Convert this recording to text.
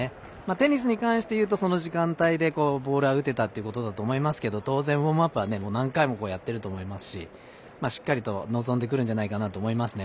テニスに関して言うとその時間帯でボールは打てたということだと思いますけど当然ウォームアップは何回もやってると思いますししっかりと臨んでくるんじゃないかなと思いますね。